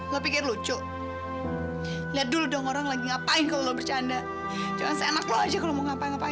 lo pikir lucu lihat dulu dong orang lagi ngapain kalau bercanda jangan